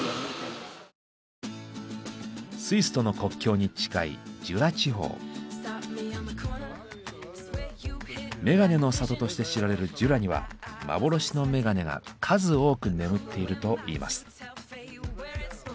スイスとの国境に近いメガネの里として知られるジュラには幻のメガネが数多く眠っているといいます。